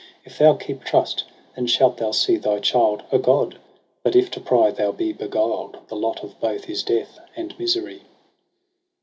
F thou keep trust, then shalt thou see thy child A god ; but if to pry thou be beguiled. The lot of both is death and misery.'